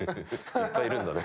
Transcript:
いっぱいいるんだね。